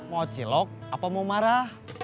mau cilok apa mau marah